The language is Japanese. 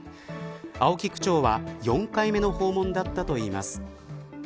青木区長は４回目の訪問だったといいます。